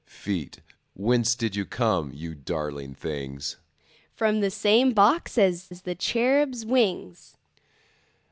Feet, whence did you come, you darling things? From the same box as the cherub's wings.